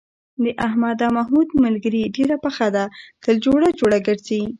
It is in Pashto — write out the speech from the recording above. د احمد او محمود ملگري ډېره پخه ده، تل جوړه جوړه گرځي.